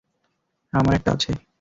আমার একটা আছে।